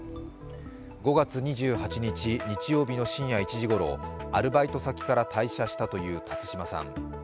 ５月２８日日曜日の深夜１時ごろアルバイト先から退社したという辰島さん。